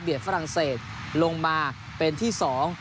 ฝรั่งเศสลงมาเป็นที่สอง